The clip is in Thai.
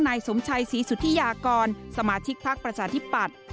นายสมชัยศรีสุธิยากรสมาชิกพักประชาธิปัตย์